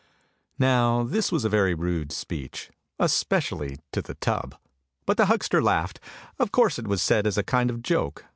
" Now this was a very rude speech, especially to the tub, but the huckster laughed; of course it was said as a kind of joke.